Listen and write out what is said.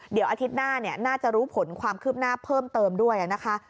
เดี๋ยวอาทิตย์หน้าน่าจะรู้ผลความคืบหน้าเพิ่มเติมด้วยนะคะ